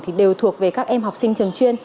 thì đều thuộc về các em học sinh trường chuyên